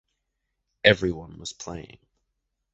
Everyone was playing.